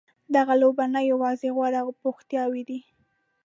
دغه لوبې نه یوازې غوره بوختیاوې دي.